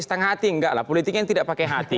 setengah hati enggak lah politiknya tidak pakai hati